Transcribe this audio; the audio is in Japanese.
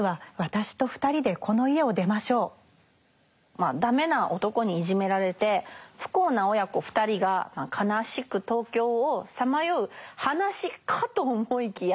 まあダメな男にいじめられて不幸な親子２人が悲しく東京をさまよう話かと思いきや